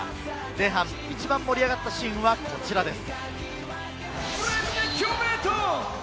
前半、一番盛り上がったシーンはこちらです。